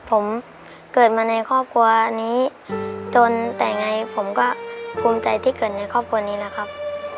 ผมเกิดมาในครอบครัวนี้จนแต่ไงผมก็ภูมิใจที่เกิดในครอบครัวนี้แล้วครับ